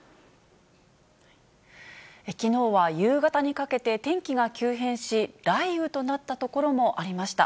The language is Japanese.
きのうは夕方にかけて天気が急変し、雷雨となった所もありました。